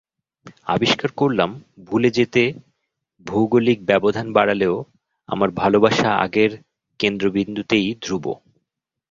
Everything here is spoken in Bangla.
আবিষ্কার করলাম ভুলে যেতে ভৌগলিক ব্যবধান বাড়ালেও আমার ভালোবাসা আগের কেন্দ্রবিন্দুতেই ধ্রুব।